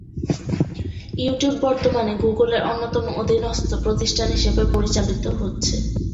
YouTube বর্তমানে গুগলের অন্যতম অধীনস্থ প্রতিষ্ঠান হিসেবে পরিচালিত হচ্ছে।